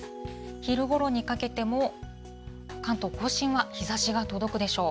昼ごろにかけても、関東甲信は日ざしが届くでしょう。